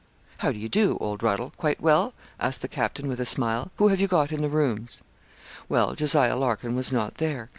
'How do you do, old Ruddle quite well?' asked the captain with a smile. 'Who have you got in the rooms?' Well, Jos. Larkin was not there.